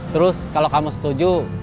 terus kalau kamu setuju